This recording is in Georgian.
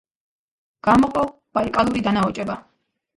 გამოყო ბაიკალური დანაოჭება.